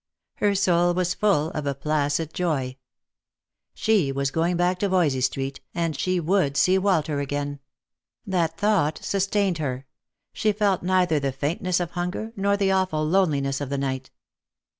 Her soul was full of a placid joy. She was going back to Voysey street, and she would see Walter again. That thought sustained her ; she felt neither the faintnesa of hunger nor the awful loneliness of the night.